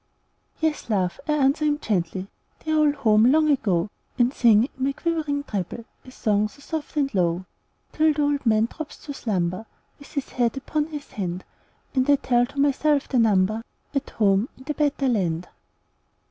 "Yes, love!" I answer him gently, "They're all home long ago;" And I sing, in my quivering treble, A song so soft and low, Till the old man drops to slumber, With his head upon his hand, And I tell to myself the number At home in the better land.